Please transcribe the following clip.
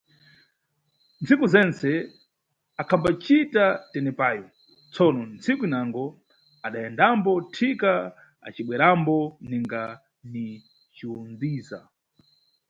Ntsiku zentse akhambacita tenepayu, tsono ntsiku inango adayendambo thika acibwerambo ninga ni Xundiza.